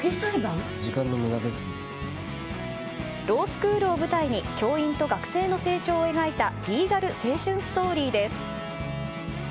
ロースクールを舞台に教員と学生の成長を描いたリーガル青春ストーリーです。